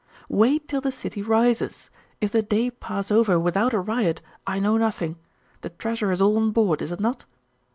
'Wait till the city rises. If the day pass over without a riot, I know nothing. The treasure is all on board, is it not?